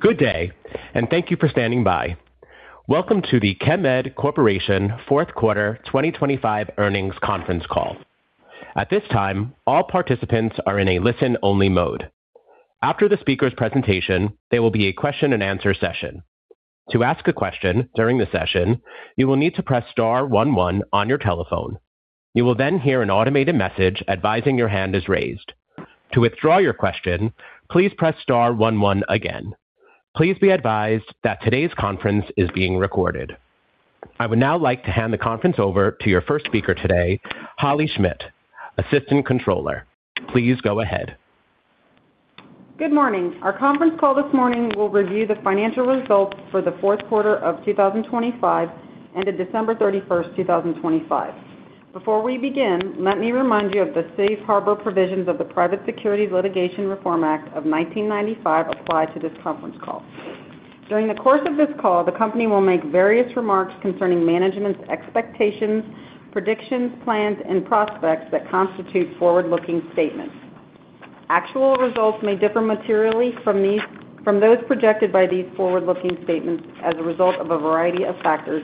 Good day, and thank you for standing by. Welcome to the Chemed Corporation fourth quarter 2025 earnings conference call. At this time, all participants are in a listen-only mode. After the speaker's presentation, there will be a question-and-answer session. To ask a question during the session, you will need to press star 1 on your telephone. You will then hear an automated message advising your hand is raised. To withdraw your question, please press star 1 again. Please be advised that today's conference is being recorded. I would now like to hand the conference over to your first speaker today, Holley Schmidt, Assistant Controller. Please go ahead. Good morning. Our conference call this morning will review the financial results for the fourth quarter of 2025, ended December 31, 2025. Before we begin, let me remind you of the safe harbor provisions of the Private Securities Litigation Reform Act of 1995 apply to this conference call. During the course of this call, the company will make various remarks concerning management's expectations, predictions, plans, and prospects that constitute forward-looking statements. Actual results may differ materially from those projected by these forward-looking statements as a result of a variety of factors,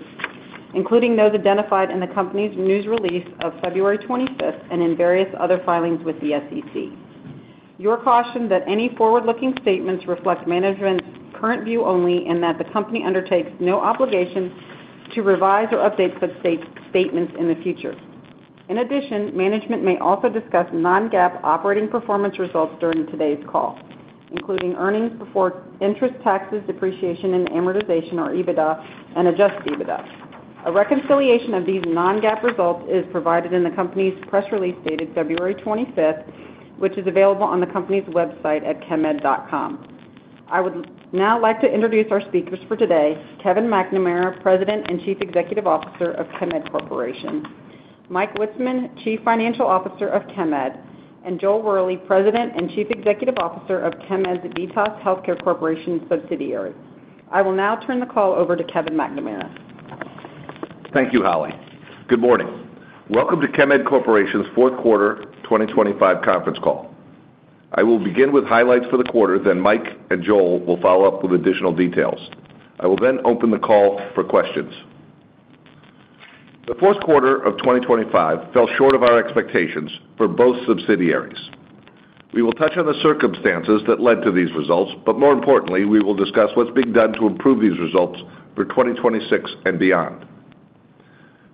including those identified in the company's news release of February 25 and in various other filings with the SEC. You are cautioned that any forward-looking statements reflect management's current view only and that the company undertakes no obligation to revise or update such statements in the future. In addition, management may also discuss non-GAAP operating performance results during today's call, including earnings before interest, taxes, depreciation, and amortization, or EBITDA and adjusted EBITDA. A reconciliation of these non-GAAP results is provided in the company's press release dated February 25th, which is available on the company's website at chemed.com. I would now like to introduce our speakers for today, Kevin McNamara, President and Chief Executive Officer of Chemed Corporation, Michael Witzeman, Chief Financial Officer of Chemed, and Joel Wherley, President and Chief Executive Officer of Chemed's VITAS Healthcare Corporation subsidiary. I will now turn the call over to Kevin McNamara. Thank you, Holley. Good morning. Welcome to Chemed Corporation's fourth quarter 2025 conference call. I will begin with highlights for the quarter, then Mike and Joel will follow up with additional details. I will then open the call for questions. The fourth quarter of 2025 fell short of our expectations for both subsidiaries. We will touch on the circumstances that led to these results, but more importantly, we will discuss what's being done to improve these results for 2026 and beyond.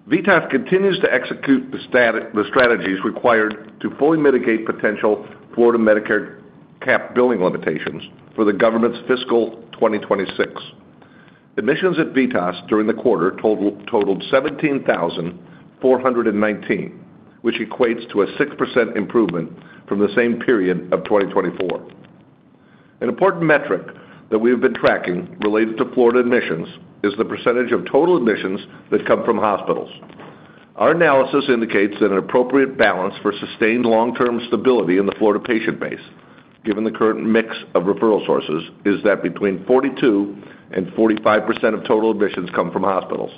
VITAS continues to execute the strategies required to fully mitigate potential Florida Medicare cap billing limitations for the government's fiscal 2026. Admissions at VITAS during the quarter totaled 17,419, which equates to a 6% improvement from the same period of 2024. An important metric that we have been tracking related to Florida admissions is the percentage of total admissions that come from hospitals. Our analysis indicates that an appropriate balance for sustained long-term stability in the Florida patient base, given the current mix of referral sources, is that between 42% and 45% of total admissions come from hospitals.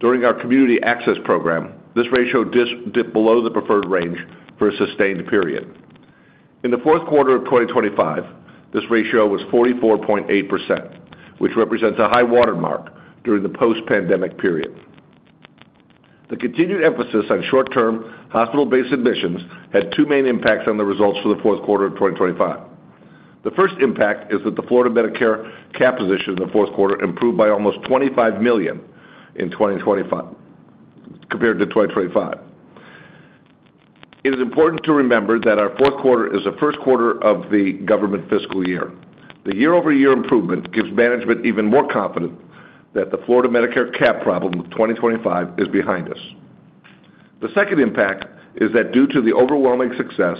During our community access program, this ratio dipped below the preferred range for a sustained period. In the fourth quarter of 2025, this ratio was 44.8%, which represents a high watermark during the post-pandemic period. The continued emphasis on short-term hospital-based admissions had two main impacts on the results for the fourth quarter of 2025. The first impact is that the Florida Medicare cap position in the fourth quarter improved by almost $25 million in 2025 compared to 2025. It is important to remember that our fourth quarter is the first quarter of the government fiscal year. The year-over-year improvement gives management even more confident that the Florida Medicare cap problem of 2025 is behind us. The second impact is that due to the overwhelming success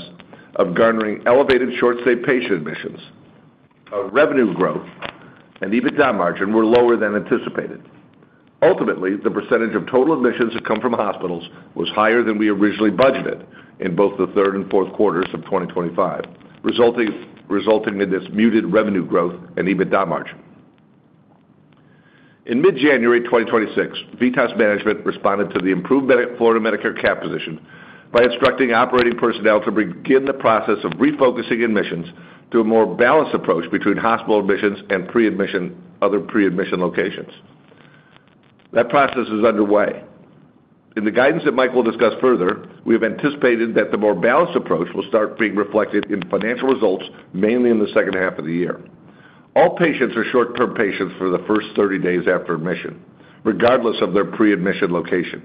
of garnering elevated short-stay patient admissions, our revenue growth and EBITDA margin were lower than anticipated. Ultimately, the percentage of total admissions that come from hospitals was higher than we originally budgeted in both the third and fourth quarters of 2025, resulting in this muted revenue growth and EBITDA margin. In mid-January 2026, VITAS management responded to the improved Florida Medicare cap position by instructing operating personnel to begin the process of refocusing admissions to a more balanced approach between hospital admissions and pre-admission, other pre-admission locations. That process is underway. In the guidance that Mike will discuss further, we have anticipated that the more balanced approach will start being reflected in financial results, mainly in the second half of the year. All patients are short-term patients for the first 30 days after admission, regardless of their pre-admission location.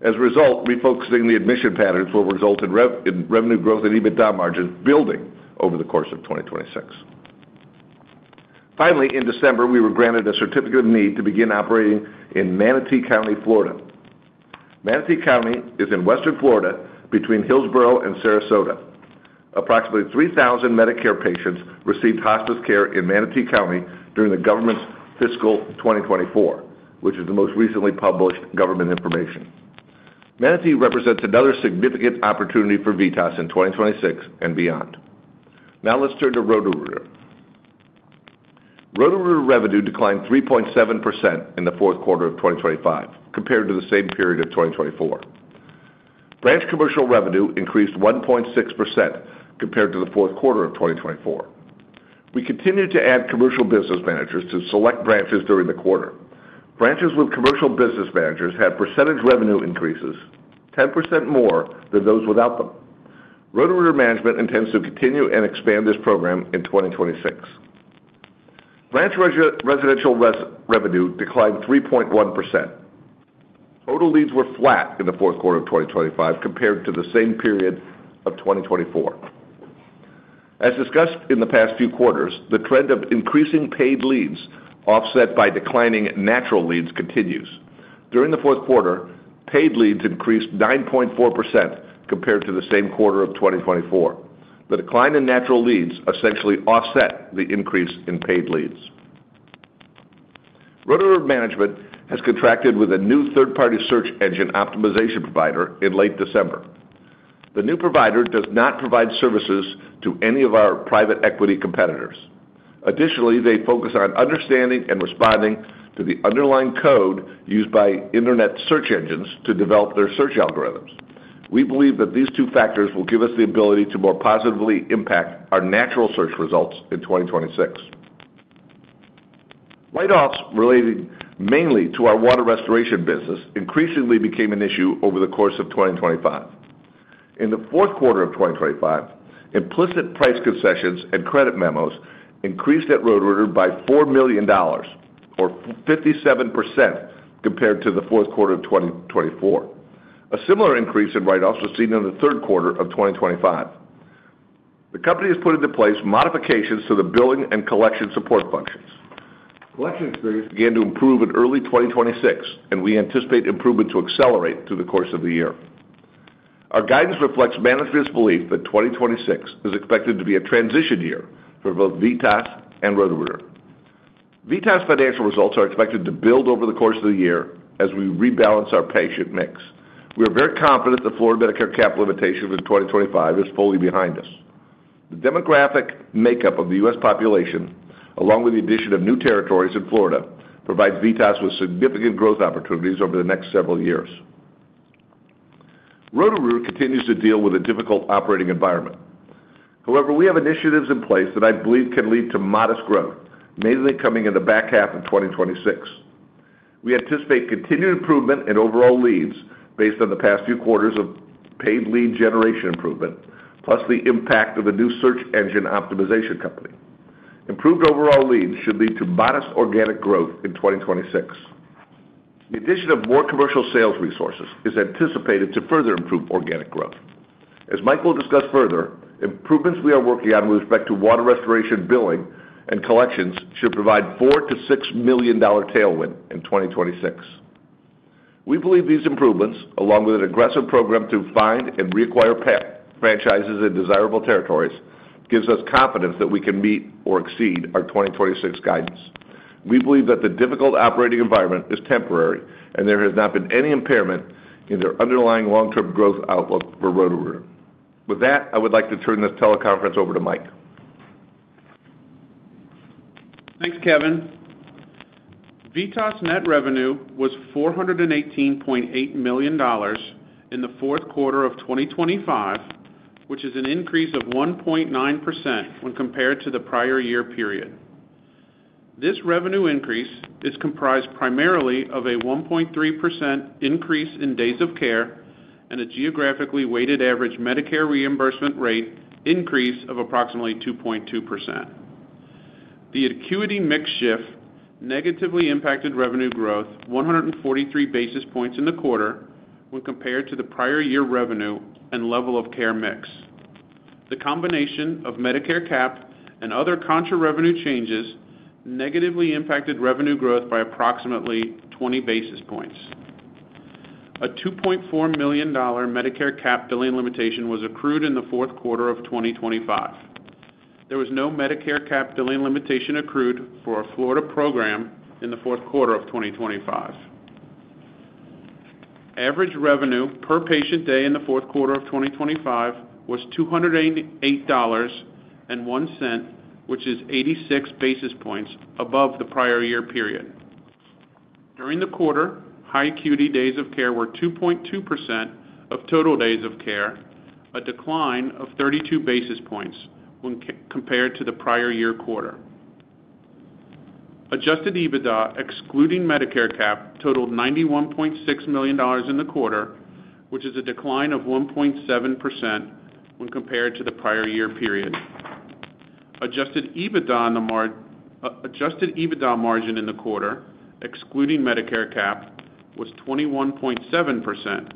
As a result, refocusing the admission patterns will result in revenue growth and EBITDA margins building over the course of 2026. In December, we were granted a certificate of need to begin operating in Manatee County, Florida. Manatee County is in western Florida, between Hillsborough and Sarasota. Approximately 3,000 Medicare patients received hospice care in Manatee County during the government's fiscal 2024, which is the most recently published government information. Manatee represents another significant opportunity for VITAS in 2026 and beyond. Let's turn to Roto-Rooter. Roto-Rooter revenue declined 3.7% in the fourth quarter of 2025 compared to the same period of 2024. Branch commercial revenue increased 1.6% compared to the fourth quarter of 2024. We continued to add commercial business managers to select branches during the quarter. Branches with commercial business managers had percentage revenue increases, 10% more than those without them. Roto-Rooter Management intends to continue and expand this program in 2026. Branch residential revenue declined 3.1%. Total leads were flat in the fourth quarter of 2025 compared to the same period of 2024. As discussed in the past few quarters, the trend of increasing paid leads, offset by declining natural leads, continues. During the fourth quarter, paid leads increased 9.4% compared to the same quarter of 2024. The decline in natural leads essentially offset the increase in paid leads. Roto-Rooter Management has contracted with a new third-party search engine optimization provider in late December. The new provider does not provide services to any of our private equity competitors. Additionally, they focus on understanding and responding to the underlying code used by internet search engines to develop their search algorithms. We believe that these two factors will give us the ability to more positively impact our natural search results in 2026. Write-offs related mainly to our water restoration business, increasingly became an issue over the course of 2025. In the fourth quarter of 2025, implicit price concessions and credit memos increased at Roto-Rooter by $4 million, or 57%, compared to the fourth quarter of 2024. A similar increase in write-offs was seen in the third quarter of 2025. The company has put into place modifications to the billing and collection support functions. Collection experience began to improve in early 2026. We anticipate improvement to accelerate through the course of the year. Our guidance reflects management's belief that 2026 is expected to be a transition year for both VITAS and Roto-Rooter. VITAS financial results are expected to build over the course of the year as we rebalance our patient mix. We are very confident the Florida Medicare capital limitation in 2025 is fully behind us. The demographic makeup of the U.S. population, along with the addition of new territories in Florida, provides VITAS with significant growth opportunities over the next several years. Roto-Rooter continues to deal with a difficult operating environment. We have initiatives in place that I believe can lead to modest growth, mainly coming in the back half of 2026. We anticipate continued improvement in overall leads based on the past few quarters of paid lead generation improvement, plus the impact of the new search engine optimization company. Improved overall leads should lead to modest organic growth in 2026. The addition of more commercial sales resources is anticipated to further improve organic growth. As Mike will discuss further, improvements we are working on with respect to water restoration, billing, and collections, should provide a $4 million-$6 million tailwind in 2026. We believe these improvements, along with an aggressive program to find and reacquire franchises in desirable territories, gives us confidence that we can meet or exceed our 2026 guidance. We believe that the difficult operating environment is temporary, there has not been any impairment in the underlying long-term growth outlook for Roto-Rooter. With that, I would like to turn this teleconference over to Mike. Thanks, Kevin. VITAS' net revenue was $418.8 million in the fourth quarter of 2025, which is an increase of 1.9% when compared to the prior year period. This revenue increase is comprised primarily of a 1.3% increase in days of care and a geographically weighted average Medicare reimbursement rate increase of approximately 2.2%. The acuity mix shift negatively impacted revenue growth 143 basis points in the quarter when compared to the prior year revenue and level of care mix. The combination of Medicare cap and other contra revenue changes negatively impacted revenue growth by approximately 20 basis points. A $2.4 million Medicare cap billing limitation was accrued in the fourth quarter of 2025. There was no Medicare cap billing limitation accrued for a Florida program in the fourth quarter of 2025. Average revenue per patient day in the fourth quarter of 2025 was $288.01, which is 86 basis points above the prior year period. During the quarter, high acuity days of care were 2.2% of total days of care, a decline of 32 basis points when compared to the prior year quarter. Adjusted EBITDA, excluding Medicare cap, totaled $91.6 million in the quarter, which is a decline of 1.7% when compared to the prior year period. Adjusted EBITDA margin in the quarter, excluding Medicare cap, was 21.7%,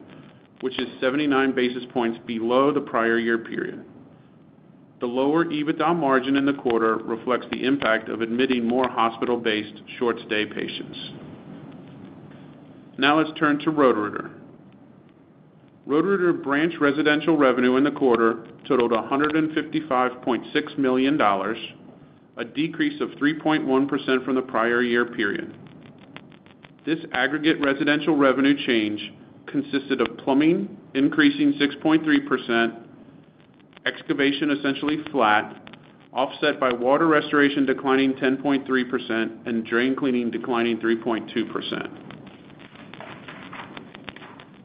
which is 79 basis points below the prior year period. The lower EBITDA margin in the quarter reflects the impact of admitting more hospital-based, short-stay patients. Now, let's turn to Roto-Rooter. Roto-Rooter branch residential revenue in the quarter totaled $155.6 million, a decrease of 3.1% from the prior year period. This aggregate residential revenue change consisted of plumbing increasing 6.3% Excavation essentially flat, offset by water restoration declining 10.3% and drain cleaning declining 3.2%.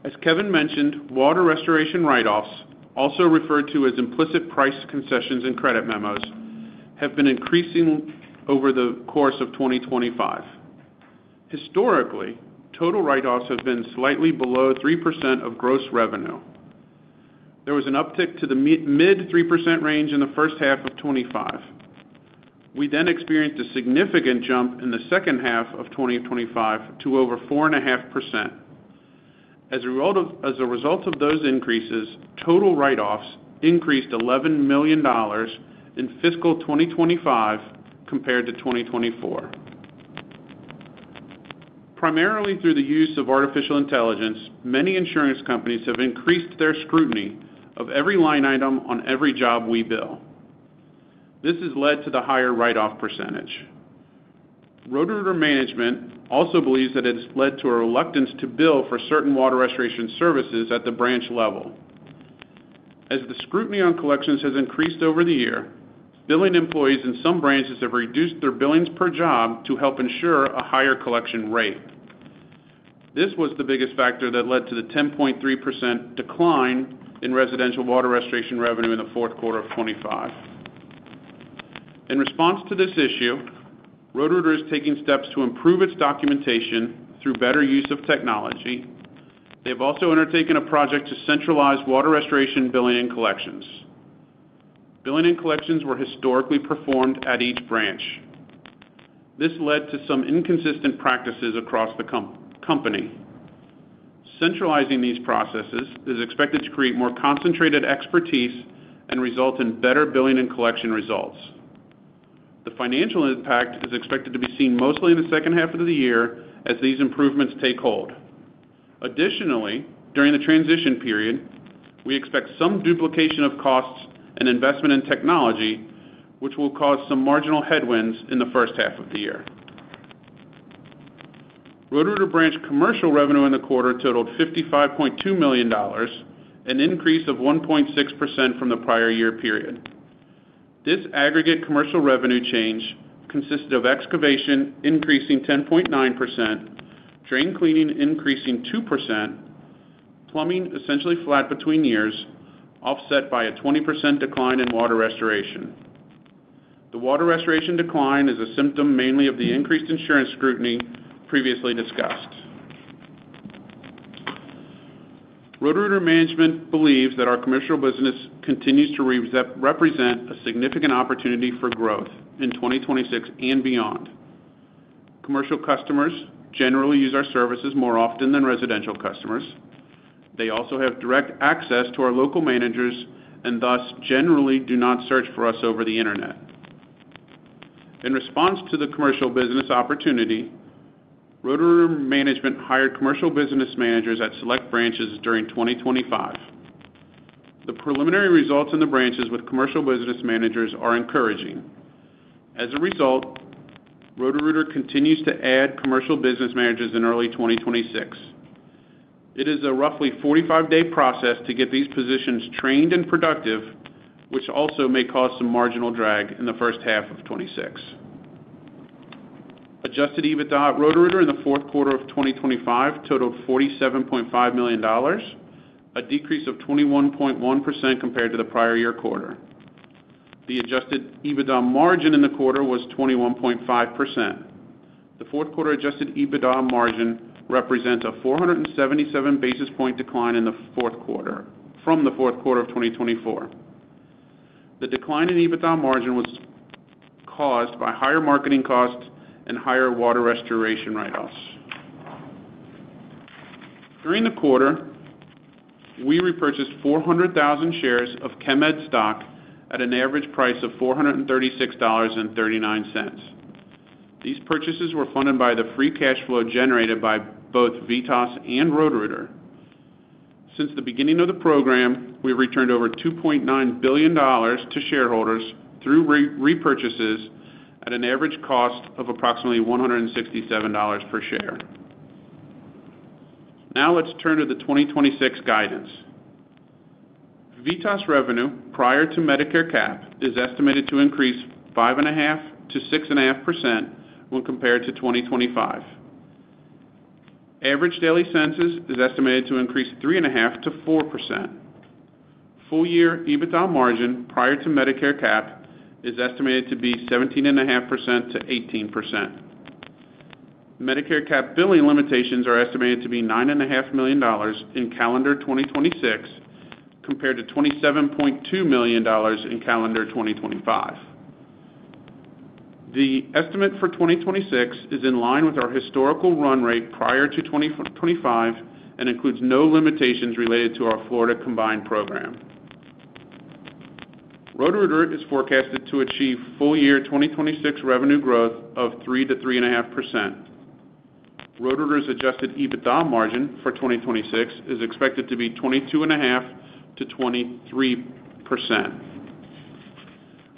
As Kevin mentioned, water restoration write-offs, also referred to as implicit price concessions and credit memos, have been increasing over the course of 2025. Historically, total write-offs have been slightly below 3% of gross revenue. There was an uptick to the mid 3% range in the first half of 25. We then experienced a significant jump in the second half of 2025 to over 4.5%. As a result of those increases, total write-offs increased $11 million in fiscal 2025 compared to 2024. Primarily through the use of artificial intelligence, many insurance companies have increased their scrutiny of every line item on every job we bill. This has led to the higher write-off percentage. Roto-Rooter management also believes that it has led to a reluctance to bill for certain water restoration services at the branch level. As the scrutiny on collections has increased over the year, billing employees in some branches have reduced their billings per job to help ensure a higher collection rate. This was the biggest factor that led to the 10.3% decline in residential water restoration revenue in the fourth quarter of 2025. In response to this issue, Roto-Rooter is taking steps to improve its documentation through better use of technology. They have also undertaken a project to centralize water restoration, billing, and collections. Billing and collections were historically performed at each branch. This led to some inconsistent practices across the company. Centralizing these processes is expected to create more concentrated expertise and result in better billing and collection results. The financial impact is expected to be seen mostly in the second half of the year as these improvements take hold. Additionally, during the transition period, we expect some duplication of costs and investment in technology, which will cause some marginal headwinds in the first half of the year. Roto-Rooter branch commercial revenue in the quarter totaled $55.2 million, an increase of 1.6% from the prior year period. This aggregate commercial revenue change consisted of excavation increasing 10.9%, drain cleaning increasing 2%, plumbing essentially flat between years, offset by a 20% decline in water restoration. The water restoration decline is a symptom mainly of the increased insurance scrutiny previously discussed. Roto-Rooter management believes that our commercial business continues to represent a significant opportunity for growth in 2026 and beyond. Commercial customers generally use our services more often than residential customers. They also have direct access to our local managers and thus generally do not search for us over the internet. In response to the commercial business opportunity, Roto-Rooter management hired commercial business managers at select branches during 2025. The preliminary results in the branches with commercial business managers are encouraging. As a result, Roto-Rooter continues to add commercial business managers in early 2026. It is a roughly 45-day process to get these positions trained and productive, which also may cause some marginal drag in the first half of 2026. Adjusted EBITDA at Roto-Rooter in the fourth quarter of 2025 totaled $47.5 million, a decrease of 21.1% compared to the prior year quarter. The adjusted EBITDA margin in the quarter was 21.5%. The fourth quarter adjusted EBITDA margin represents a 477 basis point decline from the fourth quarter of 2024. The decline in EBITDA margin was caused by higher marketing costs and higher water restoration write-offs. During the quarter, we repurchased 400,000 shares of Chemed stock at an average price of $436.39. These purchases were funded by the free cash flow generated by both VITAS and Roto-Rooter. Since the beginning of the program, we've returned over $2.9 billion to shareholders through repurchases at an average cost of approximately $167 per share. Let's turn to the 2026 guidance. VITAS revenue, prior to Medicare cap, is estimated to increase 5.5%-6.5% when compared to 2025. Average daily census is estimated to increase 3.5%-4%. Full year EBITDA margin, prior to Medicare cap, is estimated to be 17.5%-18%. Medicare cap billing limitations are estimated to be $9.5 million in calendar 2026, compared to $27.2 million in calendar 2025. The estimate for 2026 is in line with our historical run rate prior to 2025 and includes no limitations related to our Florida combined program. Roto-Rooter is forecasted to achieve full year 2026 revenue growth of 3%-3.5%. Roto-Rooter's adjusted EBITDA margin for 2026 is expected to be 22.5%-23%.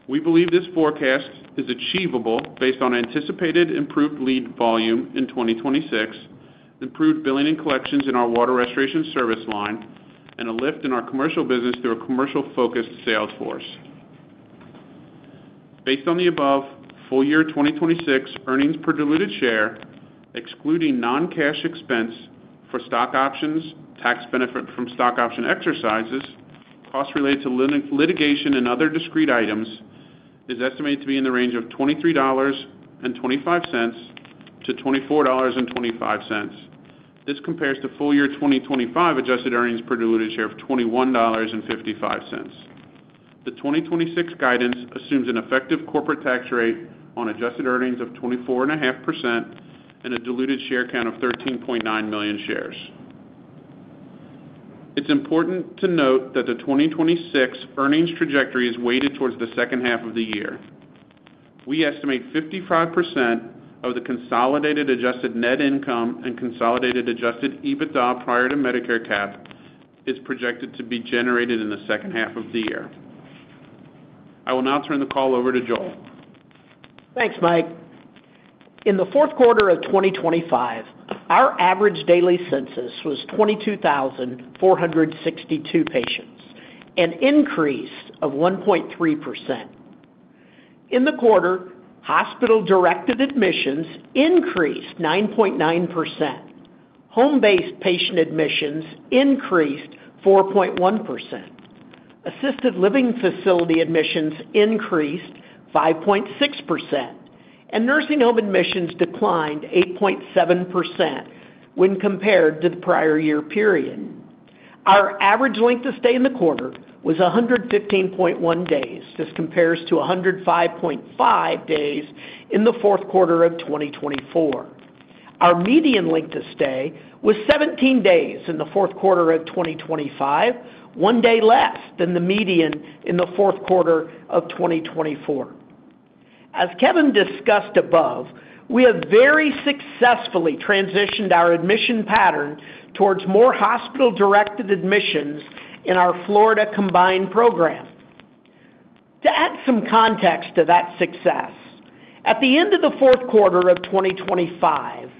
We believe this forecast is achievable based on anticipated improved lead volume in 2026, improved billing and collections in our water restoration service line, and a lift in our commercial business through a commercial-focused sales force. Based on the above, full year 2026 earnings per diluted share, excluding non-cash expense for stock options, tax benefit from stock option exercises, costs related to litigation and other discrete items, is estimated to be in the range of $23.25-$24.25. This compares to full year 2025 adjusted earnings per diluted share of $21.55. The 2026 guidance assumes an effective corporate tax rate on adjusted earnings of 24.5% and a diluted share count of 13.9 million shares. It's important to note that the 2026 earnings trajectory is weighted towards the second half of the year. We estimate 55% of the consolidated adjusted net income and consolidated adjusted EBITDA prior to Medicare CAP is projected to be generated in the second half of the year. I will now turn the call over to Joel. Thanks, Mike. In the fourth quarter of 2025, our average daily census was 22,462 patients, an increase of 1.3%. In the quarter, hospital-directed admissions increased 9.9%. Home-based patient admissions increased 4.1%. Assisted living facility admissions increased 5.6%, and nursing home admissions declined 8.7% when compared to the prior year period. Our average length of stay in the quarter was 115.1 days. This compares to 105.5 days in the fourth quarter of 2024. Our median length of stay was 17 days in the fourth quarter of 2025, one day less than the median in the fourth quarter of 2024. As Kevin discussed above, we have very successfully transitioned our admission pattern towards more hospital-directed admissions in our Florida combined program. To add some context to that success, at the end of the fourth quarter of 2025,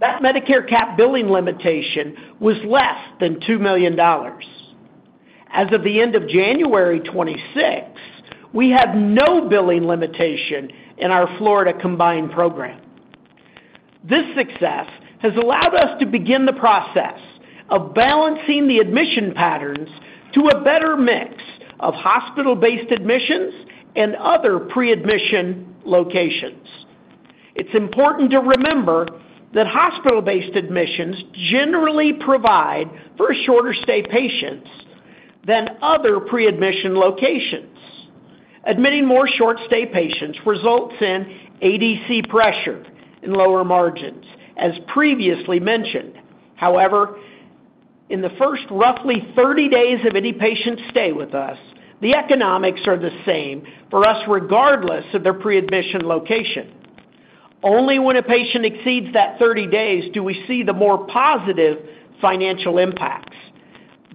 that Medicare cap billing limitation was less than $2 million. As of the end of January 2026, we have no billing limitation in our Florida combined program. This success has allowed us to begin the process of balancing the admission patterns to a better mix of hospital-based admissions and other pre-admission locations. It's important to remember that hospital-based admissions generally provide for shorter stay patients than other pre-admission locations. Admitting more short-stay patients results in ADC pressure and lower margins, as previously mentioned. However, in the first roughly 30 days of any patient's stay with us, the economics are the same for us, regardless of their pre-admission location. Only when a patient exceeds that 30 days do we see the more positive financial impacts.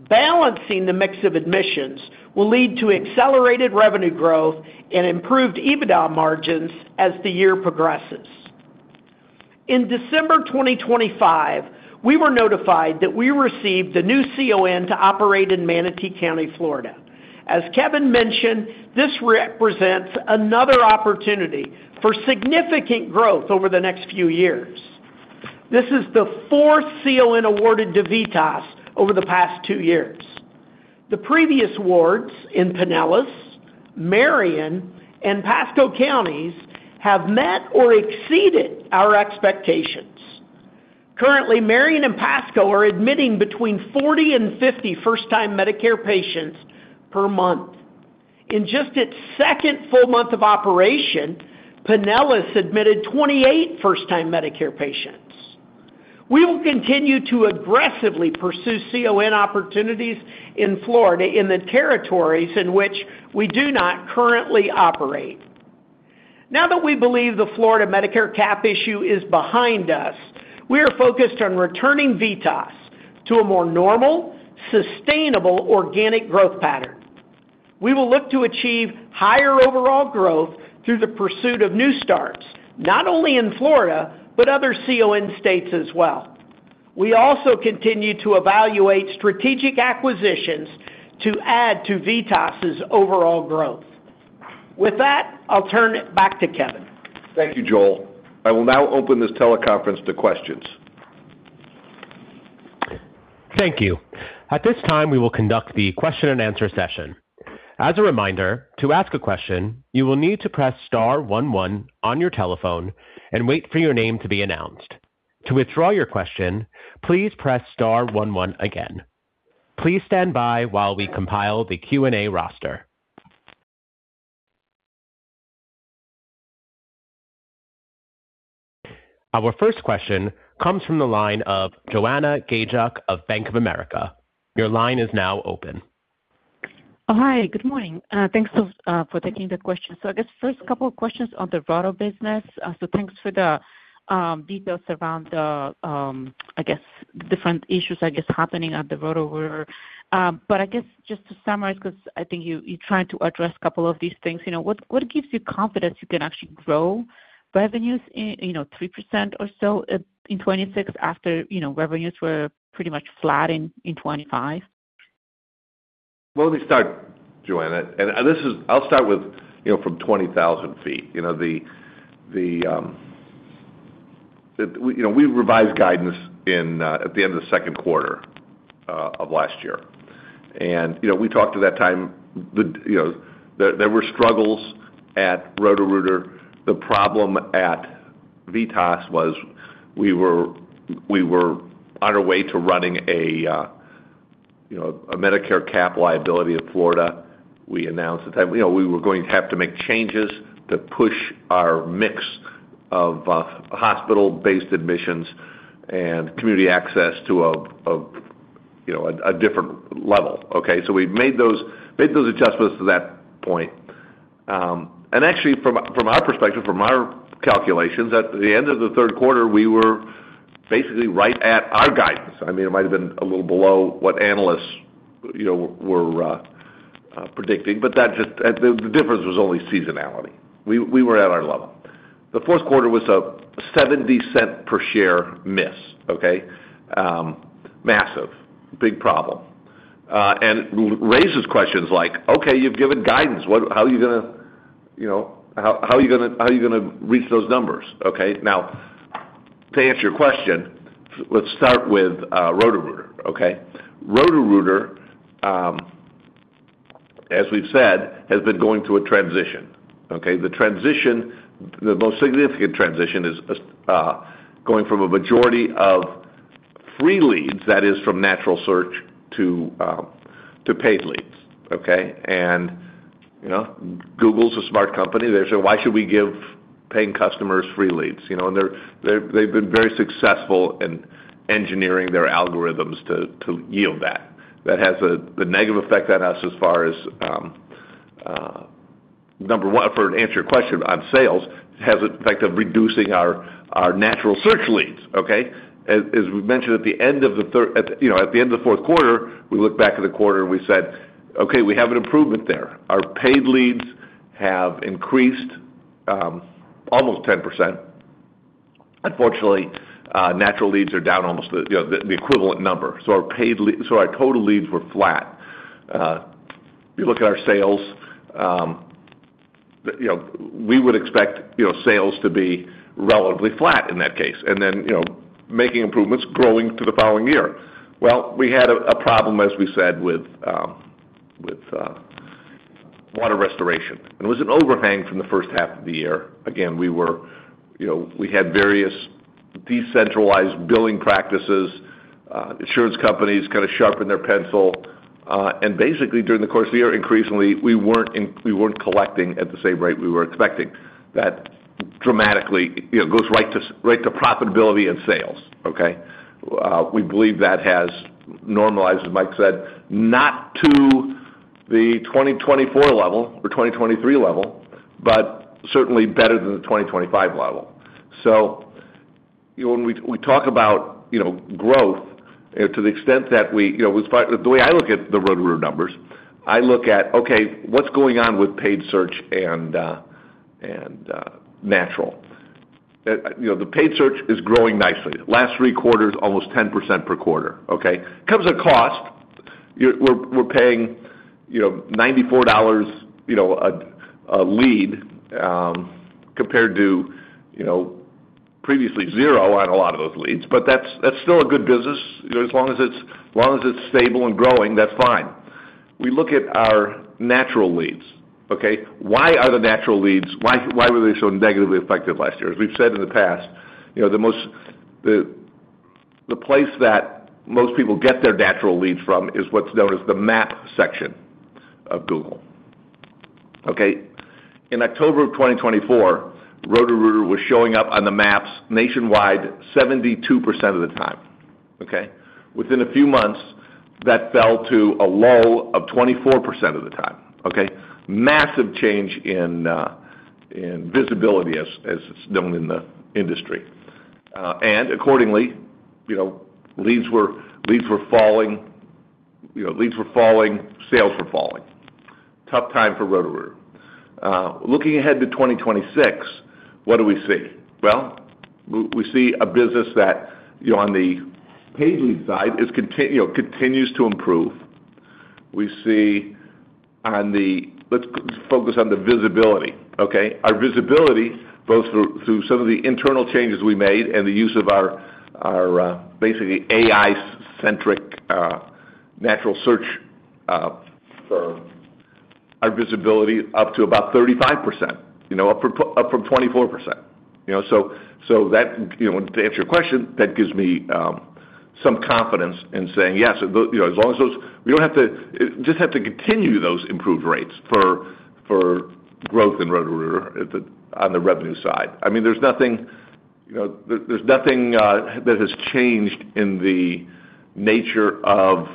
Balancing the mix of admissions will lead to accelerated revenue growth and improved EBITDA margins as the year progresses. In December 2025, we were notified that we received a new CON to operate in Manatee County, Florida. As Kevin mentioned, this represents another opportunity for significant growth over the next 2 years. This is the 4th CON awarded to VITAS over the past 2 years. The previous awards in Pinellas, Marion, and Pasco Counties have met or exceeded our expectations. Currently, Marion and Pasco are admitting between 40 and 50 first-time Medicare patients per month. In just its second full month of operation, Pinellas admitted 28 first-time Medicare patients. We will continue to aggressively pursue CON opportunities in Florida in the territories in which we do not currently operate. Now that we believe the Florida Medicare cap issue is behind us, we are focused on returning VITAS to a more normal, sustainable, organic growth pattern. We will look to achieve higher overall growth through the pursuit of new starts, not only in Florida, but other CON states as well. We also continue to evaluate strategic acquisitions to add to VITAS's overall growth. With that, I'll turn it back to Kevin. Thank you, Joel. I will now open this teleconference to questions. Thank you. At this time, we will conduct the question and answer session. As a reminder, to ask a question, you will need to press star one one on your telephone and wait for your name to be announced. To withdraw your question, please press star one one again. Please stand by while we compile the Q&A roster. Our first question comes from the line of Joanna Gajuk of Bank of America. Your line is now open. Oh, hi, good morning. thanks for taking the question. I guess first couple of questions on the Roto-Rooter business. thanks for the details around the I guess, different issues, I guess, happening at the Roto-Rooter. I guess just to summarize, because I think you tried to address a couple of these things, you know, what gives you confidence you can actually grow revenues in, you know, 3% or so, in 2026 after, you know, revenues were pretty much flat in 2025? Well, let me start, Joanna, I'll start with, you know, from 20,000 feet. You know, the, we, you know, we revised guidance in, at the end of the second quarter, of last year. You know, we talked at that time, the, you know, there were struggles at Roto-Rooter. The problem at VITAS was we were on our way to running a, you know, a Medicare cap liability in Florida. We announced that, you know, we were going to have to make changes to push our mix of, hospital-based admissions and community access to a, of, you know, a different level, okay. We made those adjustments to that point. Actually, from our perspective, from our calculations, at the end of the third quarter, we were basically right at our guidance. I mean, it might have been a little below what analysts, you know, were predicting, but that just the difference was only seasonality. We were at our level. The fourth quarter was a $0.70 per share miss, okay? Massive, big problem. Raises questions like, "Okay, you've given guidance, how are you gonna, you know, how are you gonna reach those numbers?" Okay, now, to answer your question, let's start with Roto-Rooter, okay? Roto-Rooter, as we've said, has been going through a transition, okay? The transition, the most significant transition is going from a majority of free leads, that is, from natural search, to paid leads, okay? You know, Google's a smart company. They say, "Why should we give paying customers free leads?" You know, they've been very successful in engineering their algorithms to yield that. That has a negative effect on us as far as number one, for to answer your question on sales, has an effect of reducing our natural search leads, okay? We mentioned at the end of the third, you know, at the end of the fourth quarter, we looked back at the quarter and we said, "Okay, we have an improvement there. Our paid leads have increased almost 10%. Unfortunately, natural leads are down almost the, you know, equivalent number. Our total leads were flat. You look at our sales, you know, we would expect, you know, sales to be relatively flat in that case, and then, you know, making improvements, growing to the following year. Well, we had a problem, as we said, with water restoration, and it was an overhang from the first half of the year. Again, we were, you know, we had various decentralized billing practices, insurance companies kind of sharpened their pencil, and basically, during the course of the year, increasingly, we weren't collecting at the same rate we were expecting. That dramatically, you know, goes right to profitability and sales, okay? We believe that has normalized, as Mike said, not to the 2024 level or 2023 level, but certainly better than the 2025 level. When we talk about growth, to the extent that we the way I look at the Roto-Rooter numbers, I look at, okay, what's going on with paid search and natural? The paid search is growing nicely. Last three quarters, almost 10% per quarter, okay? Comes at a cost. We're paying, you know, $94, you know, a lead, compared to, you know, previously zero on a lot of those leads. That's still a good business, you know, as long as it's stable and growing, that's fine. We look at our natural leads, okay? Why were they so negatively affected last year? As we've said in the past, you know, the place that most people get their natural leads from is what's known as the map section of Google. Okay, in October of 2024, Roto-Rooter was showing up on the maps nationwide 72% of the time, okay? Within a few months, that fell to a low of 24% of the time, okay? Massive change in visibility, as it's known in the industry. Accordingly, you know, leads were falling, you know, leads were falling, sales were falling. Tough time for Roto-Rooter. Looking ahead to 2026, what do we see? Well, we see a business that, you know, on the paid lead side, is, you know, continues to improve. We see, let's focus on the visibility, okay? Our visibility, both through some of the internal changes we made and the use of our basically, AI-centric natural search, our visibility up to about 35%, you know, up from 24%. You know, so that, you know, to answer your question, that gives me some confidence in saying, yes, you know, as long as those. We don't have to just have to continue those improved rates for growth in Roto-Rooter on the revenue side. I mean, there's nothing. You know, there's nothing that has changed in the nature of,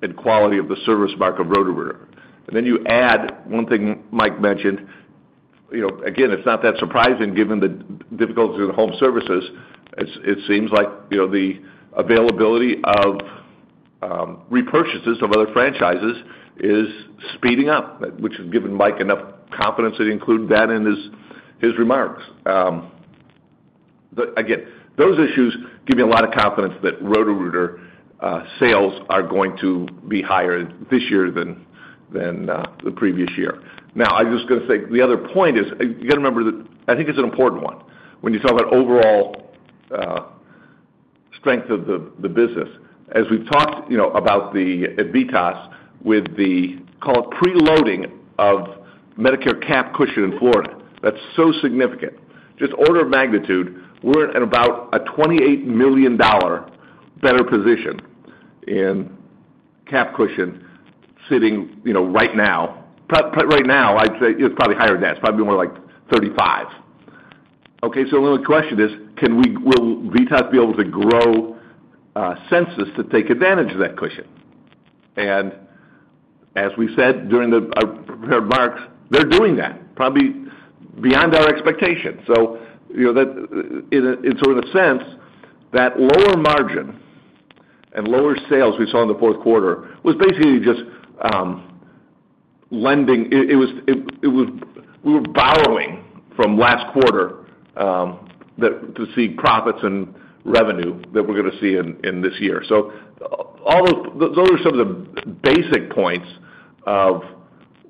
and quality of the service market of Roto-Rooter. Then you add one thing Mike mentioned, you know, again, it's not that surprising given the difficulty of the home services. It seems like, you know, the availability of repurchases of other franchises is speeding up, which has given Mike enough confidence to include that in his remarks. Again, those issues give me a lot of confidence that Roto-Rooter sales are going to be higher this year than the previous year. I'm just gonna say, the other point is, you gotta remember that I think it's an important one. When you talk about overall strength of the business, as we've talked, you know, about the at VITAS with the, call it, preloading of Medicare cap cushion in Florida, that's so significant. Just order of magnitude, we're at about a $28 million better position in cap cushion sitting, you know, right now. Right now, I'd say it's probably higher than that. It's probably more like $35 million. Okay, the only question is, will VITAS be able to grow census to take advantage of that cushion? As we said during our remarks, they're doing that, probably beyond our expectations. You know, that, in a, in sort of a sense, that lower margin and lower sales we saw in the fourth quarter was basically just lending... We were borrowing from last quarter, that to see profits and revenue that we're gonna see in this year. All of those are some of the basic points of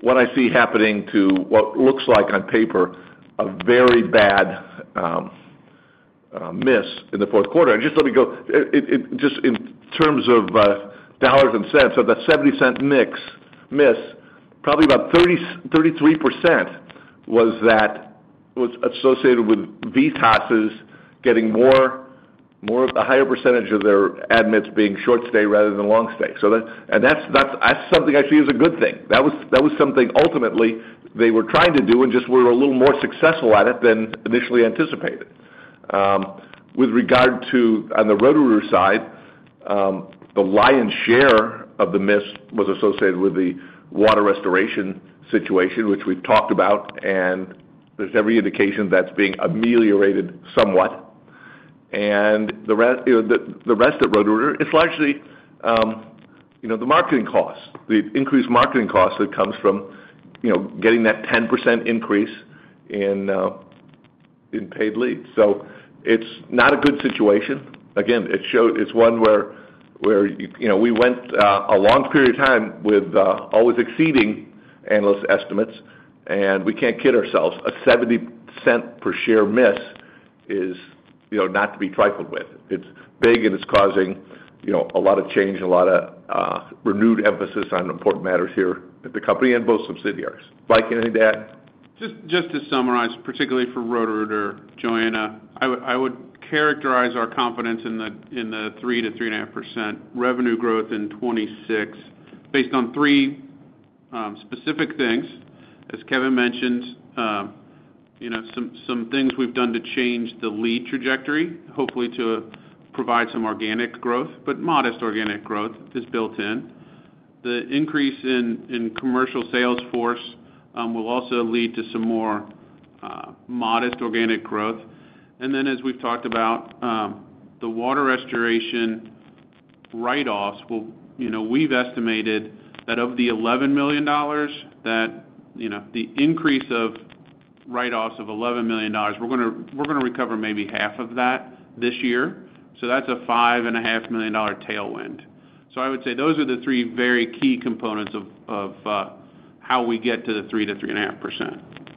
what I see happening to what looks like on paper, a very bad miss in the fourth quarter. Just let me go, just in terms of dollars and cents, so that $0.70 miss, probably about 30%-33% was associated with VITAS's getting more of a higher percentage of their admits being short stay rather than long stay. That's something I see as a good thing. That was something ultimately they were trying to do and just we're a little more successful at it than initially anticipated. With regard to, on the Roto-Rooter side, the lion's share of the miss was associated with the water restoration situation, which we've talked about, and there's every indication that's being ameliorated somewhat. The rest, you know, the rest of Roto-Rooter, it's largely, you know, the marketing costs. The increased marketing costs that comes from, you know, getting that 10% increase in in paid leave. It's not a good situation. Again, it's one where, you know, we went a long period of time with always exceeding analyst estimates, and we can't kid ourselves. A $0.70 per share miss is, you know, not to be trifled with. It's big, and it's causing, you know, a lot of change and a lot of renewed emphasis on important matters here at the company and both subsidiaries. Mike, anything to add? Just to summarize, particularly for Roto-Rooter, Joanna, I would characterize our confidence in the 3%-3.5% revenue growth in 2026, based on three specific things. As Kevin mentioned, you know, some things we've done to change the lead trajectory, hopefully to provide some organic growth, but modest organic growth is built in. The increase in commercial sales force will also lead to some more modest organic growth. Then, as we've talked about, the water restoration write-offs. You know, we've estimated that of the $11 million, that, you know, the increase of write-offs of $11 million, we're gonna recover maybe half of that this year. So that's a five and a half million dollar tailwind. I would say those are the three very key components of how we get to the 3% to 3.5%.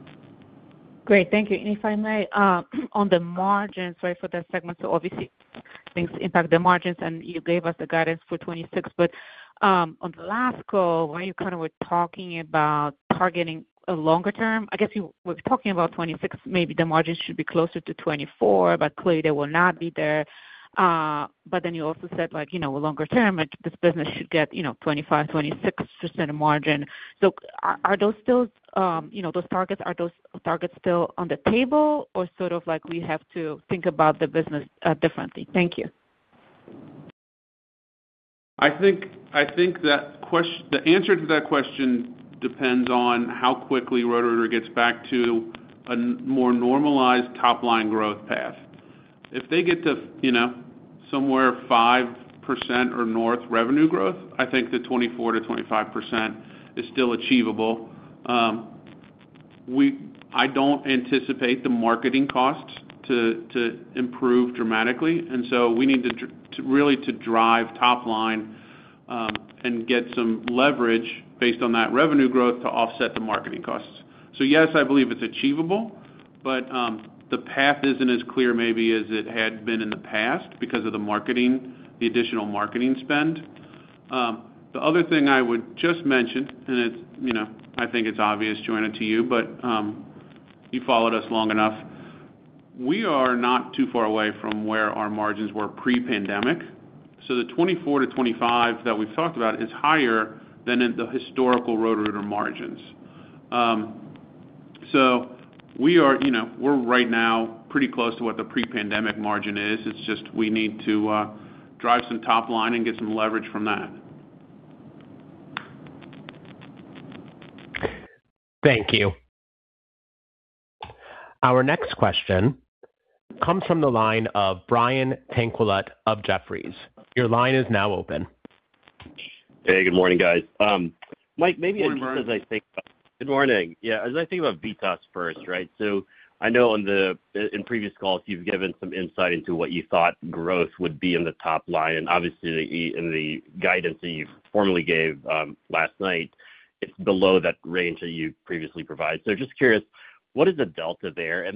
Great, thank you. If I may, on the margins, right, for the segment, obviously, things impact the margins, and you gave us the guidance for 26. On the last call, where you kind of were talking about targeting a longer term, I guess you were talking about 26, maybe the margin should be closer to 24%, but clearly, they will not be there. You also said, like, you know, longer term, this business should get, you know, 25%-26% margin. Are those still, you know, those targets, are those targets still on the table or sort of like, we have to think about the business differently? Thank you. I think the answer to that question depends on how quickly Roto-Rooter gets back to a more normalized top-line growth path. If they get to, you know, somewhere 5% or north revenue growth, I think the 24%-25% is still achievable. I don't anticipate the marketing costs to improve dramatically, we need to really to drive top line, and get some leverage based on that revenue growth to offset the marketing costs. Yes, I believe it's achievable, but the path isn't as clear maybe as it had been in the past because of the marketing, the additional marketing spend. The other thing I would just mention, and it's, you know, I think it's obvious, Joanna, to you, but you followed us long enough. We are not too far away from where our margins were pre-pandemic. The 24%-25% that we've talked about is higher than in the historical Roto-Rooter margins. We are, you know, we're right now pretty close to what the pre-pandemic margin is. It's just we need to drive some top line and get some leverage from that. Thank you. Our next question comes from the line of Brian Tanquilut of Jefferies. Your line is now open. Hey, good morning, guys. Mike, maybe. Good morning, Brian. Good morning. Yeah. As I think about VITAS first, right? I know on the in previous calls, you've given some insight into what you thought growth would be in the top line, and obviously, the in the guidance that you formally gave last night, it's below that range that you previously provided. Just curious, what is the delta there?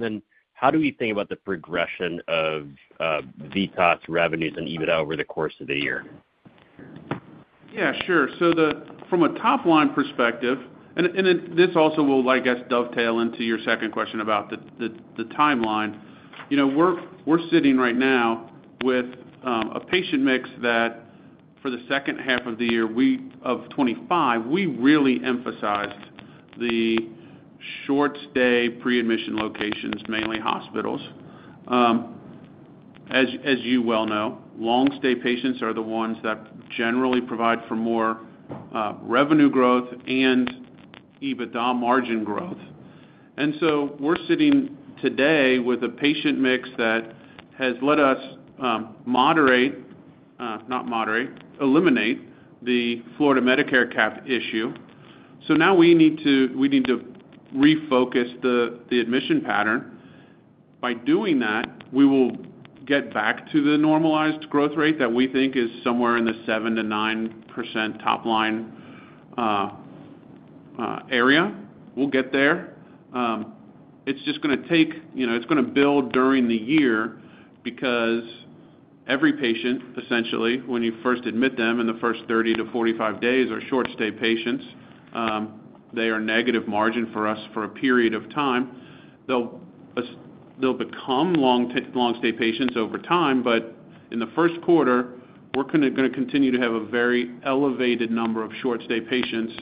How do we think about the progression of VITAS revenues and EBITDA over the course of the year? Yeah, sure. From a top line perspective, and then this also will, I guess, dovetail into your second question about the timeline. You know, we're sitting right now with a patient mix that for the second half of the year, of 2025, we really emphasized the short stay pre-admission locations, mainly hospitals. As you well know, long-stay patients are the ones that generally provide for more revenue growth and EBITDA margin growth. We're sitting today with a patient mix that has let us eliminate the Florida Medicare cap issue. Now we need to refocus the admission pattern. By doing that, we will get back to the normalized growth rate that we think is somewhere in the 7%-9% top line area. We'll get there. It's just gonna take, you know, it's gonna build during the year because every patient, essentially, when you first admit them in the first 30 to 45 days, are short-stay patients. They are negative margin for us for a period of time. They'll become long-stay patients over time, but in the first quarter, we're gonna continue to have a very elevated number of short-stay patients,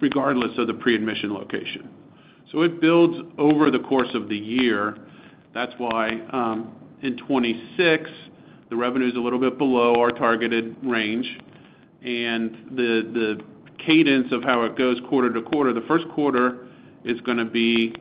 regardless of the pre-admission location. It builds over the course of the year. That's why, in 2026, the revenue is a little bit below our targeted range, and the cadence of how it goes quarter to quarter, the first quarter is gonna be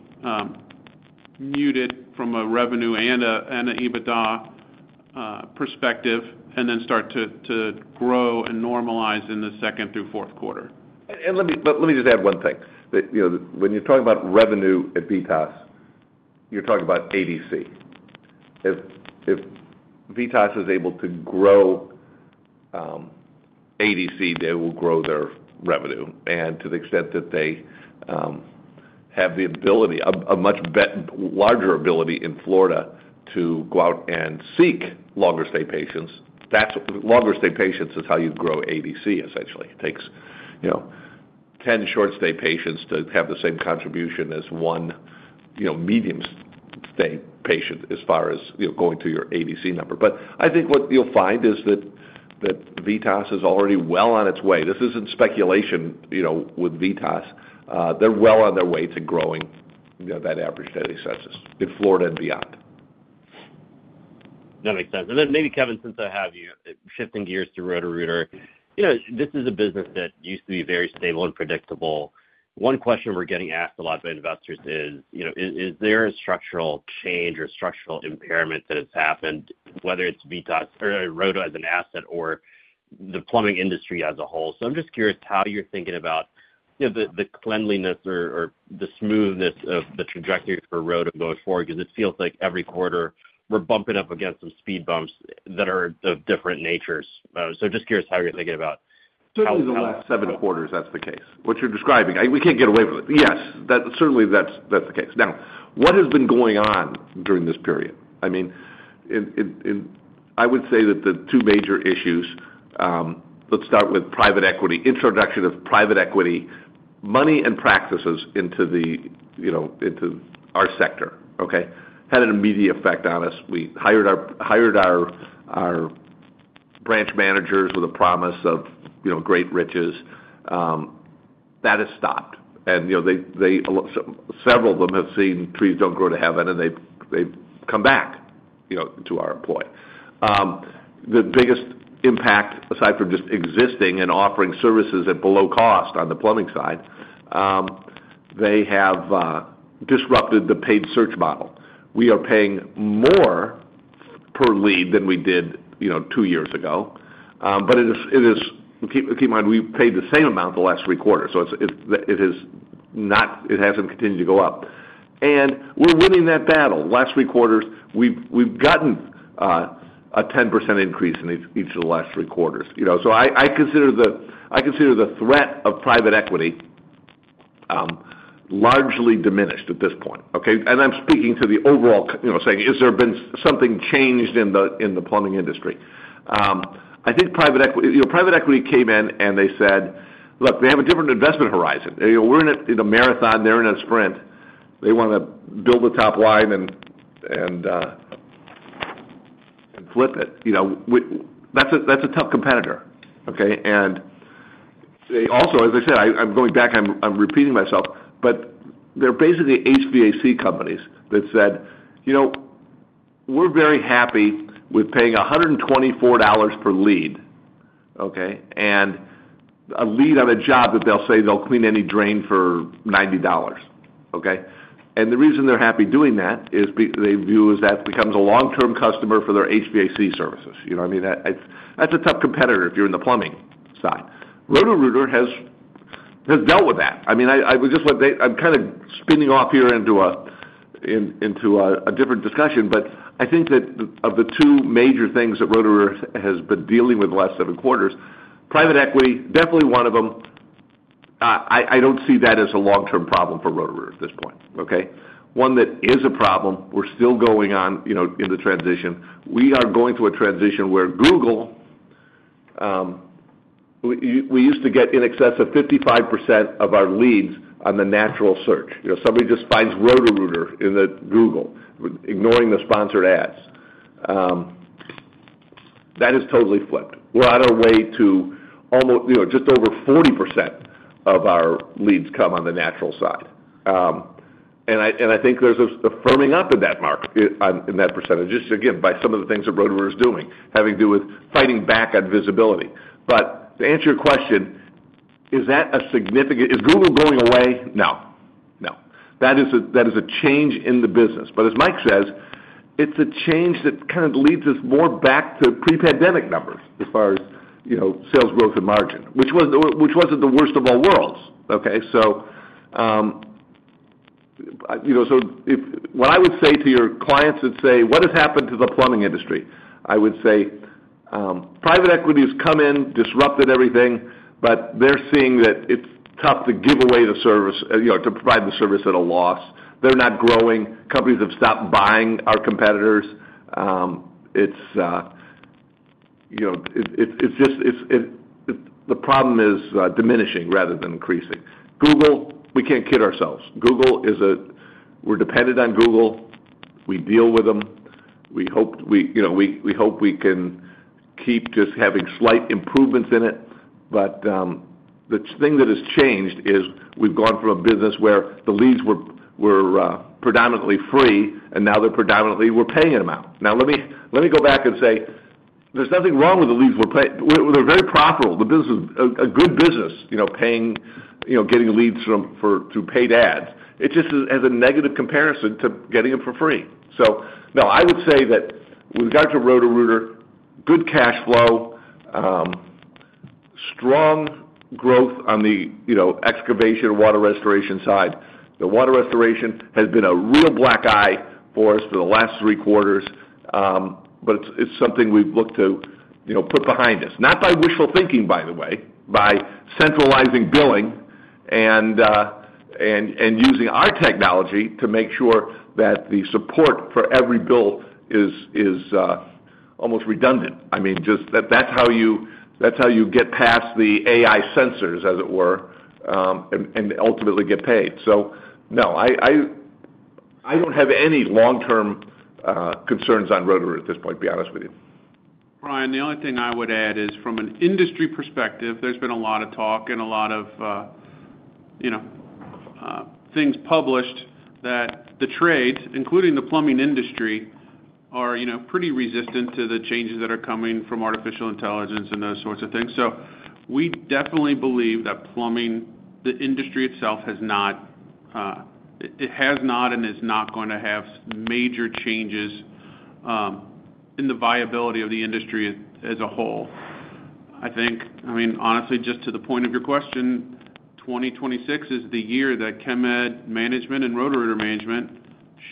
muted from a revenue and a EBITDA perspective, and then start to grow and normalize in the second through fourth quarter. Let me just add one thing. That, you know, when you're talking about revenue at VITAS, you're talking about ADC. If VITAS is able to grow ADC, they will grow their revenue. To the extent that they have a much larger ability in Florida to go out and seek longer-stay patients, that's longer-stay patients is how you grow ADC, essentially. It takes, you know, 10 short-stay patients to have the same contribution as 1, you know, medium-stay patient as far as, you know, going to your ADC number. I think what you'll find is that VITAS is already well on its way. This isn't speculation, you know, with VITAS. They're well on their way to growing, you know, that average daily census in Florida and beyond. That makes sense. Then maybe, Kevin, since I have you, shifting gears to Roto-Rooter. You know, this is a business that used to be very stable and predictable. One question we're getting asked a lot by investors is, you know, is there a structural change or structural impairment that has happened, whether it's VITAS or Roto as an asset or the plumbing industry as a whole? I'm just curious how you're thinking about, you know, the cleanliness or the smoothness of the trajectory for Roto going forward, because it feels like every quarter we're bumping up against some speed bumps that are of different natures. Certainly, the last 7 quarters, that's the case. What you're describing, we can't get away from it. Yes, that certainly that's the case. What has been going on during this period? I mean, I would say that the 2 major issues, let's start with private equity, introduction of private equity, money and practices into the, you know, into our sector, okay? Had an immediate effect on us. We hired our branch managers with a promise of, you know, great riches, that has stopped. You know, several of them have seen trees don't grow to heaven, and they've come back, you know, to our employ. The biggest impact, aside from just existing and offering services at below cost on the plumbing side, they have disrupted the paid search model. We are paying more per lead than we did, you know, two years ago, but it is keep in mind, we paid the same amount the last three quarters, so it is not it hasn't continued to go up. We're winning that battle. Last three quarters, we've gotten a 10% increase in each of the last three quarters. You know, so I consider the threat of private equity largely diminished at this point, okay. I'm speaking to the overall, you know, saying, has there been something changed in the plumbing industry? I think private equity. Private equity came in, and they said, "Look, we have a different investment horizon." You know, we're in a marathon, they're in a sprint. They wanna build the top line and flip it, you know, that's a tough competitor, okay? They also, as I said, I'm going back, I'm repeating myself, but they're basically HVAC companies that said, "You know, we're very happy with paying $124 per lead," okay? A lead on a job that they'll say they'll clean any drain for $90, okay? The reason they're happy doing that is they view as that becomes a long-term customer for their HVAC services. You know what I mean? That's a tough competitor if you're in the plumbing side. Roto-Rooter has dealt with that. I mean, I'm kind of spinning off here into a different discussion, but I think that of the two major things that Roto-Rooter has been dealing with the last seven quarters, private equity, definitely one of them. I don't see that as a long-term problem for Roto-Rooter at this point, okay? One that is a problem, we're still going on, you know, in the transition. We are going through a transition where Google, we used to get in excess of 55% of our leads on the natural search. You know, somebody just finds Roto-Rooter in the Google, ignoring the sponsored ads. That has totally flipped. We're on our way to you know, just over 40% of our leads come on the natural side. I think there's a firming up in that market, on, in that percentage, just again, by some of the things that Roto-Rooter is doing, having to do with fighting back on visibility. To answer your question, is Google going away? No, no. That is a change in the business. As Mike says, it's a change that kind of leads us more back to pre-pandemic numbers, as far as, you know, sales growth and margin, which wasn't the worst of all worlds, okay? you know, what I would say to your clients that say, "What has happened to the plumbing industry?" I would say, private equity has come in, disrupted everything, but they're seeing that it's tough to give away the service, you know, to provide the service at a loss. They're not growing. Companies have stopped buying our competitors. you know, it's just, the problem is diminishing rather than increasing. Google, we can't kid ourselves. Google is, we're dependent on Google. We deal with them. We hope, you know, we hope we can keep just having slight improvements in it, but the thing that has changed is we've gone from a business where the leads were predominantly free, and now they're predominantly, we're paying them out. Let me go back and say, there's nothing wrong with the leads. They're very profitable. The business is a good business, you know, paying, you know, getting leads from, for, through paid ads. It just has a negative comparison to getting them for free. No, I would say that with regard to Roto-Rooter, good cash flow, strong growth on the, you know, excavation, water restoration side. The water restoration has been a real black eye for us for the last three quarters, but it's something we've looked to, you know, put behind us. Not by wishful thinking, by the way, by centralizing billing and using our technology to make sure that the support for every bill is almost redundant. I mean, just that's how you, that's how you get past the AI sensors, as it were, and ultimately get paid. No, I don't have any long-term concerns on Roto-Rooter at this point, to be honest with you. Brian, the only thing I would add is from an industry perspective, there's been a lot of talk and a lot of, you know, things published that the trades, including the plumbing industry, are, you know, pretty resistant to the changes that are coming from artificial intelligence and those sorts of things. We definitely believe that plumbing, the industry itself, has not, it has not and is not going to have major changes in the viability of the industry as a whole. I think, I mean, honestly, just to the point of your question, 2026 is the year that Chemed management and Roto-Rooter management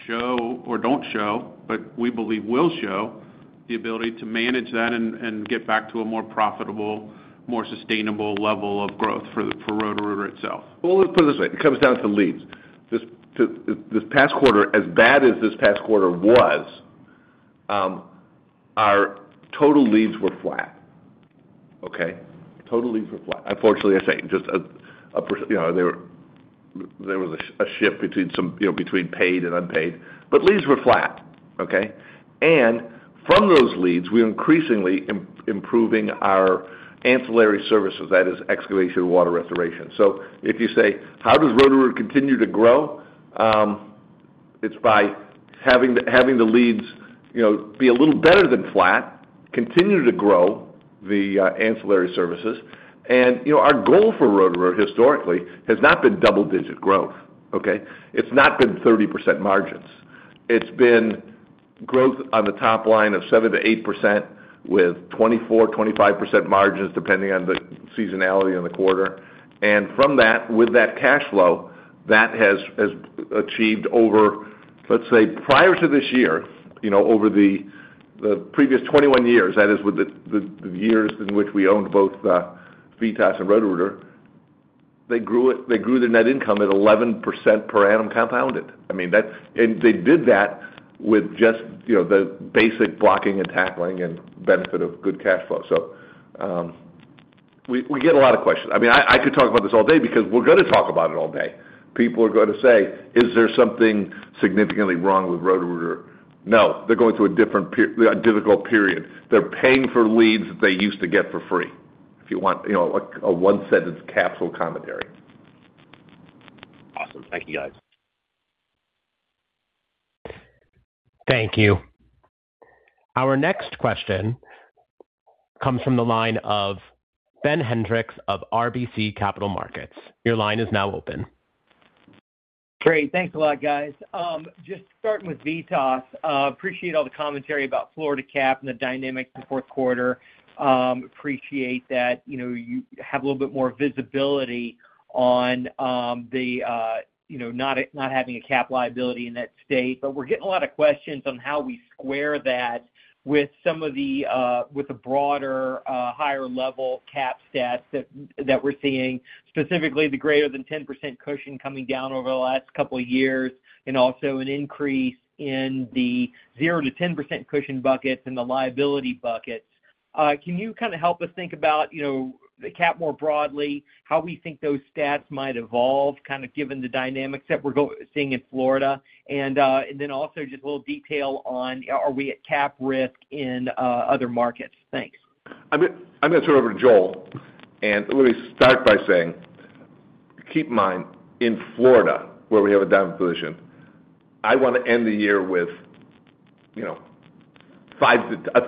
show or don't show, but we believe will show, the ability to manage that and get back to a more profitable, more sustainable level of growth for Roto-Rooter itself. Well, let's put it this way: It comes down to leads. This past quarter, as bad as this past quarter was, our total leads were flat, okay? Total leads were flat. Unfortunately, I say, just a, you know, there was a shift between some, you know, between paid and unpaid, but leads were flat, okay? From those leads, we're increasingly improving our ancillary services, that is excavation and water restoration. If you say: How does Roto-Rooter continue to grow? It's by having the leads, you know, be a little better than flat, continue to grow the ancillary services. You know, our goal for Roto-Rooter historically has not been double-digit growth, okay? It's not been 30% margins. It's been growth on the top line of 7%-8%, with 24%-25% margins, depending on the seasonality in the quarter. From that, with that cash flow, that has achieved over Let's say, prior to this year, you know, over the previous 21 years, that is, with the years in which we owned both VITAS and Roto-Rooter, they grew the net income at 11% per annum compounded. I mean, they did that with just, you know, the basic blocking and tackling and benefit of good cash flow. We get a lot of questions. I mean, I could talk about this all day because we're gonna talk about it all day. People are gonna say, "Is there something significantly wrong with Roto-Rooter?" No, they're going through a difficult period. They're paying for leads that they used to get for free. If you want, you know, like, a one-sentence capsule commentary. Awesome. Thank you, guys. Thank you. Our next question comes from the line of Ben Hendrix of RBC Capital Markets. Your line is now open. Great. Thanks a lot, guys. Just starting with VITAS. Appreciate all the commentary about Florida cap and the dynamics in the fourth quarter. Appreciate that, you know, you have a little bit more visibility on the, you know, not having a cap liability in that state. We're getting a lot of questions on how we square that with some of the with the broader higher level cap stats that we're seeing, specifically the greater than 10% cushion coming down over the last couple of years, and also an increase in the 0%-10% cushion buckets and the liability buckets. Can you kind of help us think about, you know, the cap more broadly, how we think those stats might evolve, kind of given the dynamics that we're seeing in Florida? Also just a little detail on, are we at Cap risk in other markets? Thanks. I'm gonna turn it over to Joel, Let me start by saying, keep in mind, in Florida, where we have a dominant position, I want to end the year with, you know, a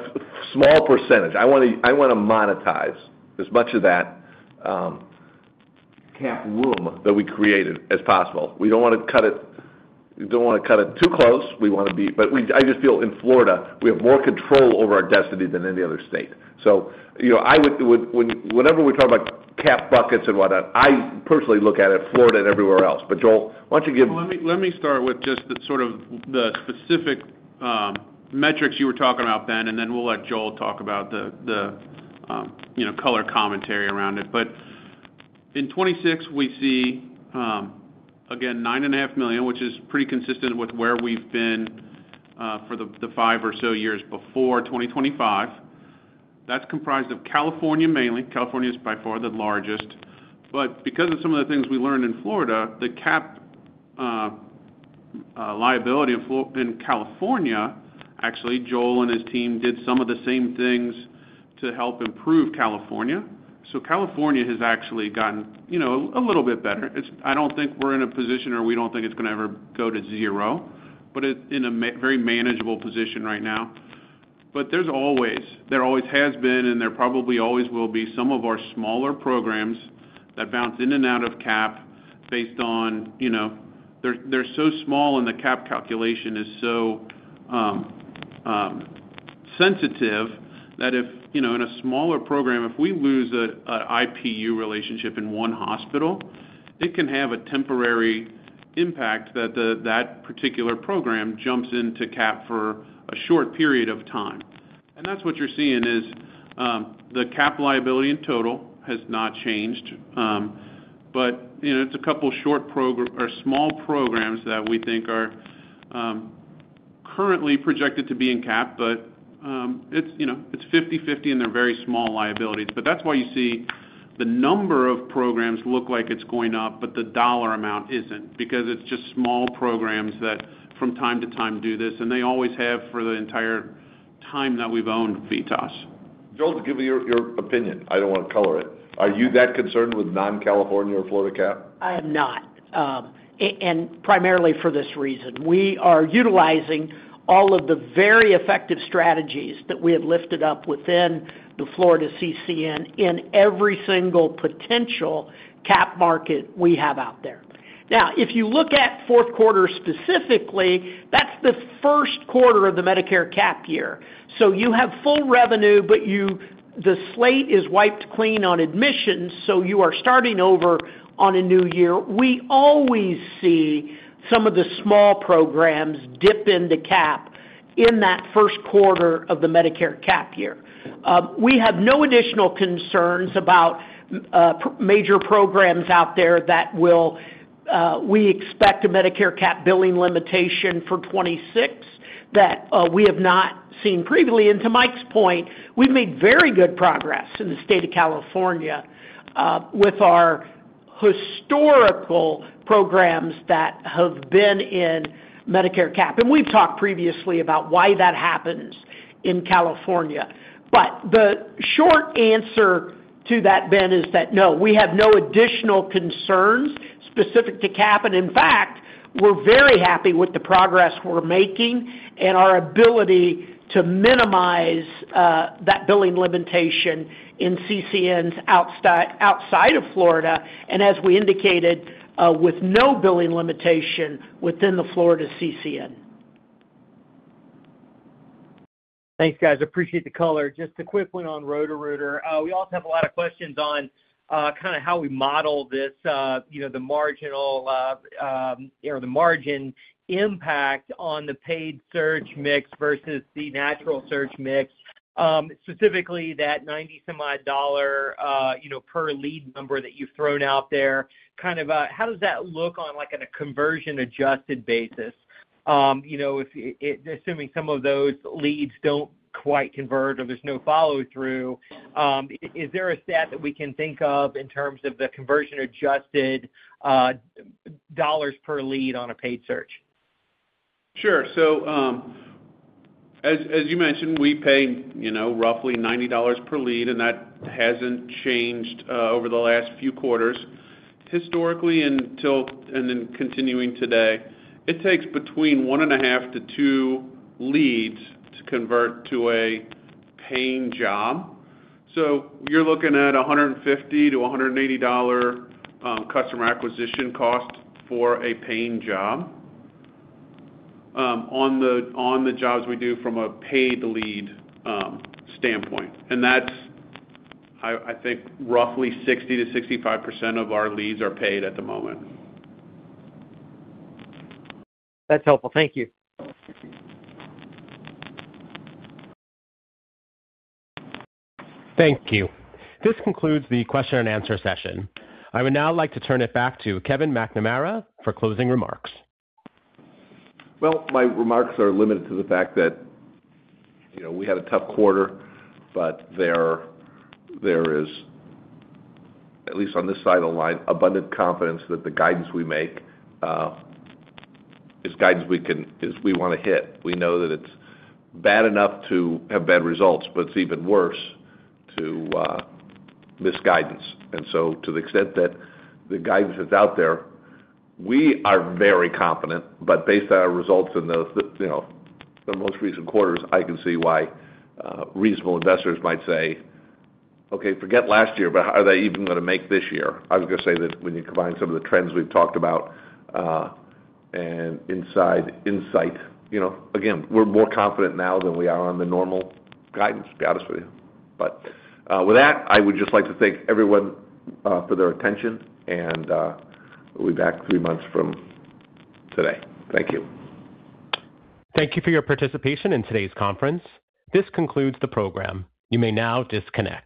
small %. I want to monetize as much of that cap room that we created as possible. We don't want to cut it too close. I just feel in Florida, we have more control over our destiny than any other state. You know, whenever we talk about cap buckets and whatnot, I personally look at it, Florida and everywhere else. Joel, why don't you give. Let me, let me start with just the sort of, the specific metrics you were talking about, Ben, and then we'll let Joel talk about the, you know, color commentary around it. In 2026, we see again, $9.5 million, which is pretty consistent with where we've been for the 5 or so years before 2025. That's comprised of California mainly. California is by far the largest. Because of some of the things we learned in Florida, the cap liability in California, actually, Joel and his team did some of the same things to help improve California. California has actually gotten, you know, a little bit better. It's, I don't think we're in a position, or we don't think it's going to ever go to zero, but it's in a very manageable position right now. There's always, there always has been, and there probably always will be some of our smaller programs that bounce in and out of cap based on, you know, they're so small and the cap calculation is so sensitive, that if, you know, in a smaller program, if we lose a IPU relationship in one hospital, it can have a temporary impact that particular program jumps into cap for a short period of time. That's what you're seeing is, the cap liability in total has not changed, but, you know, it's a couple of short program or small programs that we think are currently projected to be in cap, but, it's, you know, it's 50/50, and they're very small liabilities. That's why you see the number of programs look like it's going up, but the dollar amount isn't, because it's just small programs that from time to time do this, and they always have for the entire time that we've owned VITAS. Joel, give me your opinion. I don't want to color it. Are you that concerned with non-California or Florida Cap? I am not, and primarily for this reason, we are utilizing all of the very effective strategies that we have lifted up within the Florida CCN in every single potential cap market we have out there. If you look at fourth quarter specifically, that's the first quarter of the Medicare cap year. You have full revenue, but the slate is wiped clean on admissions, so you are starting over on a new year. We always see some of the small programs dip into cap in that first quarter of the Medicare cap year. We have no additional concerns about major programs out there that will, we expect a Medicare cap billing limitation for 26 that we have not seen previously. To Mike's point, we've made very good progress in the state of California, with our historical programs that have been in Medicare cap. We've talked previously about why that happens in California. The short answer to that, Ben, is that no, we have no additional concerns specific to cap, and in fact, we're very happy with the progress we're making and our ability to minimize, that billing limitation in CCNs outside of Florida, and as we indicated, with no billing limitation within the Florida CCN. Thanks, guys. Appreciate the color. Just a quick one on Roto-Rooter. We also have a lot of questions on kind of how we model this, you know, the marginal, you know, the margin impact on the paid search mix versus the natural search mix, specifically that $90 some odd, you know, per lead number that you've thrown out there. Kind of, how does that look on, like, on a conversion-adjusted basis? You know, if assuming some of those leads quite convert or there's no follow-through. Is there a stat that we can think of in terms of the conversion-adjusted dollars per lead on a paid search? Sure. As you mentioned, we pay, you know, roughly $90 per lead, and that hasn't changed over the last few quarters. Historically, until and then continuing today, it takes between one and a half to two leads to convert to a paying job. You're looking at a $150-$180 customer acquisition cost for a paying job on the jobs we do from a paid lead standpoint. That's, I think, roughly 60%-65% of our leads are paid at the moment. That's helpful. Thank you. Thank you. This concludes the question and answer session. I would now like to turn it back to Kevin McNamara for closing remarks. Well, my remarks are limited to the fact that, you know, we had a tough quarter, but there is, at least on this side of the line, abundant confidence that the guidance we make, is guidance we wanna hit. We know that it's bad enough to have bad results, but it's even worse to miss guidance. To the extent that the guidance is out there, we are very confident, but based on our results in the, you know, the most recent quarters, I can see why reasonable investors might say, "Okay, forget last year, but are they even gonna make this year?" I was gonna say that when you combine some of the trends we've talked about, and insider insight, you know. Again, we're more confident now than we are on the normal guidance, to be honest with you. With that, I would just like to thank everyone, for their attention, and, we'll be back three months from today. Thank you. Thank you for your participation in today's conference. This concludes the program. You may now disconnect.